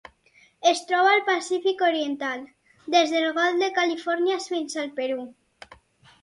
Es troba al Pacífic oriental: des del Golf de Califòrnia fins al Perú.